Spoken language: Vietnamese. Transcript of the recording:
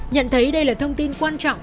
nhận thấy đây là thông tin quan trọng